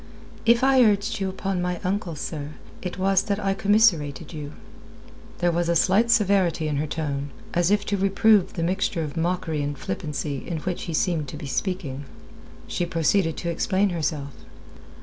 "If I urged you upon my uncle, sir, it was that I commiserated you." There was a slight severity in her tone, as if to reprove the mixture of mockery and flippancy in which he seemed to be speaking. She proceeded to explain herself.